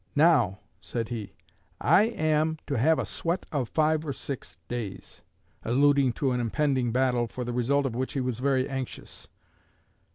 'Now,' said he, 'I am to have a sweat of five or six days'" (alluding to an impending battle, for the result of which he was very anxious).